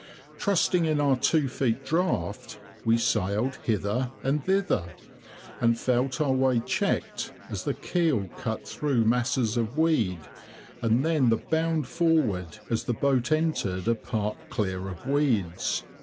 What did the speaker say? Trusting in our two feet draught, we sailed hither and thither, and felt our way checked, as the keel cut through masses of weed, and then the bound forward, as the boat entered a part clear of weeds.